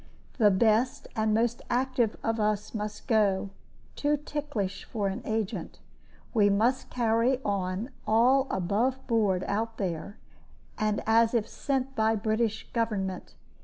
The best and most active of us must go too ticklish for an agent. We must carry on all above board out there, and as if sent by British government.